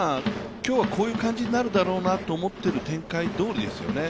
今日はこういう感じになるだろうなと思ってる展開どおりですよね。